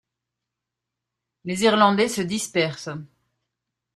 Les Irlandais se dispersent.